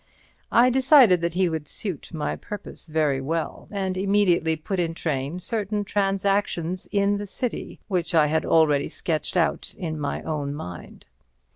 I decided that he would suit my purpose very well, and immediately put in train certain transactions in the City which I had already sketched out in my own mind.